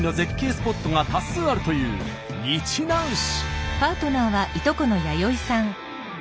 スポットが多数あるという日南市。